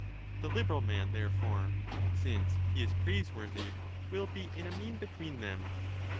The liberal man, therefore, since he is praiseworthy, will be in a mean between them.